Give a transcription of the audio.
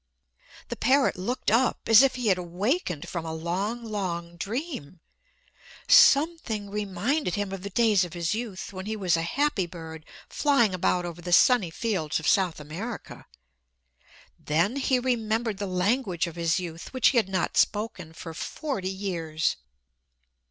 The parrot looked up, as if he had awakened from a long, long dream. Something reminded him of the days of his youth, when he was a happy bird flying about over the sunny fields of South America. Then he remembered the language of his youth, which he had not spoken for forty years.